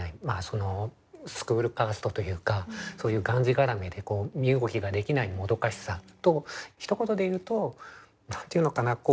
まあそのスクールカーストというかそういうがんじがらめで身動きができないもどかしさとひと言で言うと何て言うのかな